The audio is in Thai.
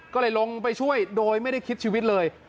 ก็เลยลงไปช่วยโดยไม่ได้คิดชีวิตเลย